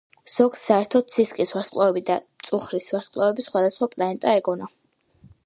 ზოგს საერთოდ ცისკრის ვარსკვლავი და მწუხრის ვარსკვლავი სხვადასხვა პლანეტა ეგონა.